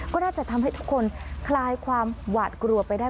ก็น่าจะทำให้ทุกคนคลายความหวาดกลัวไปได้